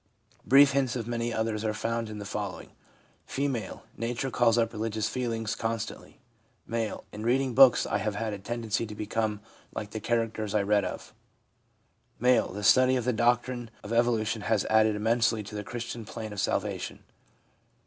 Brief hints of many others are found in the follow ing: F. 'Nature calls up religious feelings constantly.' M. ' In reading books I have had a tendency to become like the characters I read of.' M. ' The study of the doctrine of evolution has added immensely to the Christian plan of salvation.'